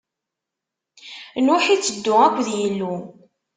Nuḥ itteddu akked Yillu.